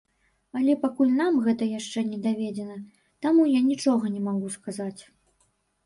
Але пакуль нам гэта яшчэ не даведзена, таму я нічога не магу сказаць.